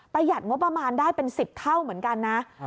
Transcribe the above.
หัดงบประมาณได้เป็น๑๐เท่าเหมือนกันนะ